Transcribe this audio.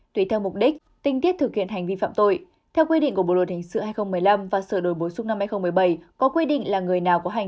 tùy theo mục đích tinh tiết thực hiện hành vi phạm tội